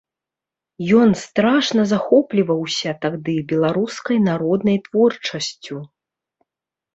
Ён страшна захопліваўся тады беларускай народнай творчасцю.